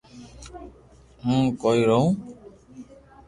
ھون ڪوئي رووُ